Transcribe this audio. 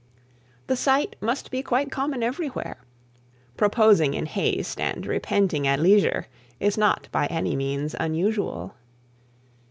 The sight must be quite common everywhere. Proposing in haste and repenting at leisure is not by any means unusual.